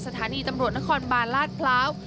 สถานีตำรวจนครบาลลาดพร้าว